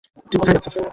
তুই কোথায় যাচ্ছিস?